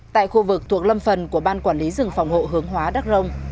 tại khu vực thuộc lâm phần của ban quản lý rừng phòng hộ hướng hóa đắc rông